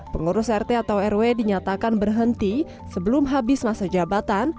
pengurus rt atau rw dinyatakan berhenti sebelum habis masa jabatan